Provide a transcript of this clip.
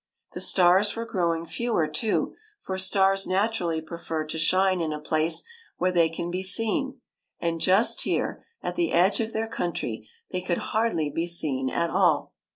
The stars were growing fewer, too, for stars natu rally prefer to shine in a place where they can be seen, and just here, at the edge of their country, they could hardly be seen at all.